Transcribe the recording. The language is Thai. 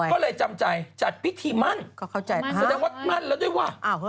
ก็เลยจำใจจัดพิธีมั่นแสดงว่ามั่นแล้วด้วยว่ะ